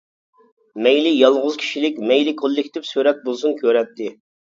مەيلى يالغۇز كىشىلىك، مەيلى كوللېكتىپ سۈرەت بولسۇن كۆرەتتى.